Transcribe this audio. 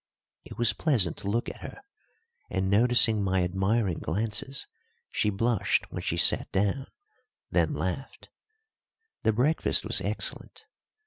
It was pleasant to look at her, and, noticing my admiring glances, she blushed when she sat down, then laughed. The breakfast was excellent.